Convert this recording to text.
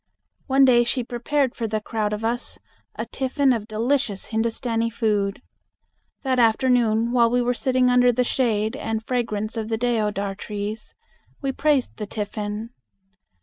One day she prepared for the crowd of us a tiffin of delicious Hindustani food. That afternoon while we were sitting under the shade and fragrance of the deodar trees, we praised the tiffin.